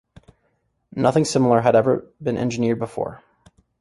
Nothing similar had ever been engineered before.